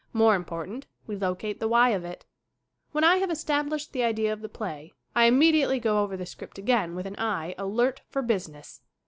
More important, we lo cate the why of it. When I have established the idea of the play I immediately go over the script again with an eye alert for business.